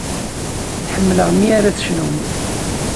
Ḥemmleɣ mi ara tcennum.